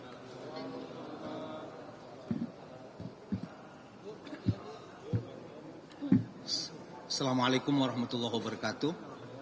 assalamu alaikum warahmatullahi wabarakatuh